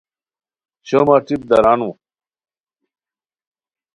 شومہ ٹیپ درانو